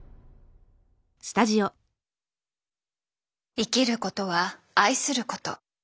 生きることは愛すること。